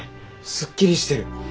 すっきりしてる。